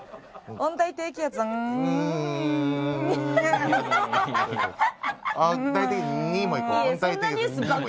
「温帯低気圧に」もいこう。